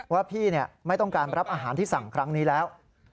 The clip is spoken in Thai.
ว่าพี่ไม่ต้องการรับอาหารที่สั่งครั้งนี้แล้ว